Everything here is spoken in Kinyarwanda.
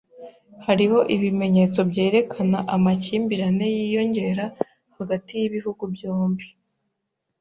Hariho ibimenyetso byerekana amakimbirane yiyongera hagati y’ibihugu byombi.